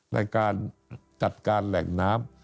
ในการจัดการแหล่งน้ำ